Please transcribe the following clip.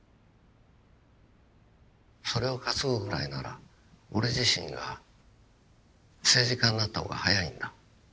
それを担ぐぐらいなら俺自身が政治家になった方が早いんだ。